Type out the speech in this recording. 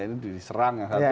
ini diserang yang satu ya